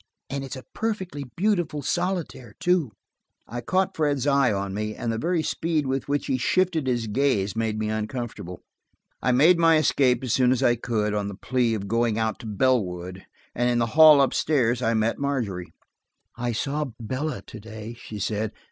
"And it's a perfectly beautiful solitaire, too." I caught Fred's eye on me, and the very speed with which he shifted his gaze made me uncomfortable. I made my escape as soon as I could, on the plea of going out to Bellwood, and in the hall up stairs I met Margery. "I saw Bella to day," she said.